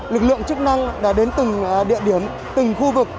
lực lượng chức năng đã đến từng địa điểm từng khu vực